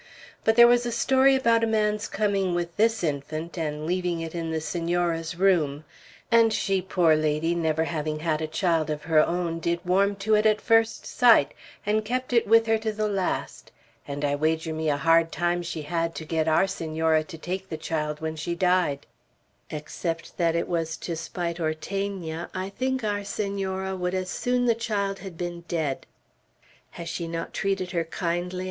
But there was a story about a man's coming with this infant and leaving it in the Senora's room; and she, poor lady, never having had a child of her own, did warm to it at first sight, and kept it with her to the last; and I wager me, a hard time she had to get our Senora to take the child when she died; except that it was to spite Ortegna, I think our Senora would as soon the child had been dead." "Has she not treated her kindly?"